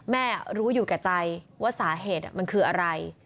รู้อยู่แก่ใจว่าสาเหตุมันคืออะไร